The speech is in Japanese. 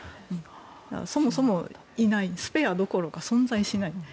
そもそも、いないスペアどころか存在しない。